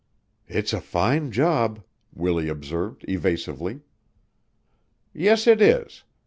"It's a fine job," Willie observed evasively. "Yes, it is.